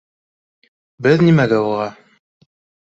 Беҙ нимәгә уға?